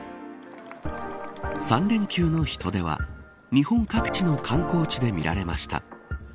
３連休の人出は日本各地の観光地で見られました。